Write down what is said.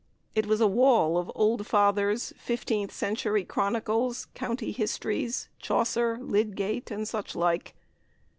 It was a wall of old fathers, fifteenth century chronicles, county histories, Chaucer, Lydgate, and such like.